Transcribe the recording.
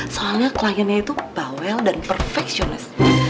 soalnya kliennya itu bawel dan perfectionous